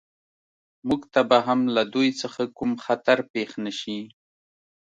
موږ ته به هم له دوی څخه کوم خطر پېښ نه شي